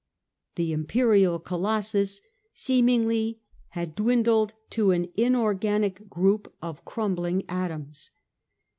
The imperial Colossus seemingly had dwindled to an inorganic group of crumbling atoms.